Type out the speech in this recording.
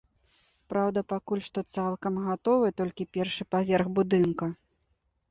Праўда, пакуль што цалкам гатовы толькі першы паверх будынка.